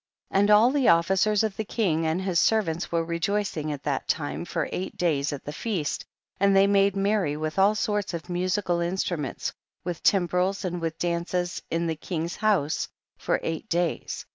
18. And all the officers of the king and his servants were rejoic ing at that time for eight days at the feast, and they made merry with all sorts of musical instruments, with timbrels and with dances in the king's house for eight days.